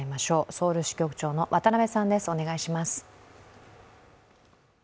ソウル支局長の渡辺さんです。